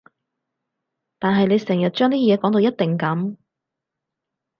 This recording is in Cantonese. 但係你成日將啲嘢講到一定噉